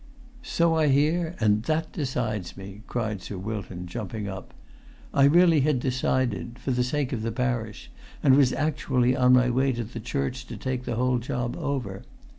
"So I hear; and that decides me!" cried Sir Wilton, jumping up. "I really had decided—for the sake of the parish—and was actually on my way to the church to take the whole job over.